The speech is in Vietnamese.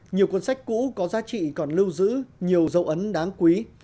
nhiều cuốn sách cũ có giá trị còn lưu giữ nhiều dấu ấn đáng quý